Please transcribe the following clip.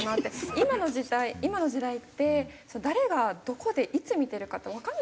今の時代今の時代って誰がどこでいつ見てるかってわかんないじゃないですか。